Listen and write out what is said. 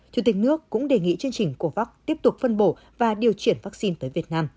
chủ tịch nước cũng đề nghị chương trình covax tiếp tục phân bổ và điều chuyển vaccine tới việt nam